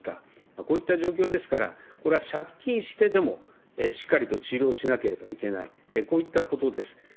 こういった状況ですから、これは借金してでもしっかりと治療しなければいけない、こういったことです。